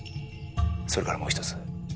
それからもう一つ。